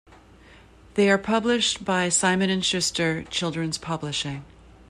They are published by Simon and Schuster Children's Publishing.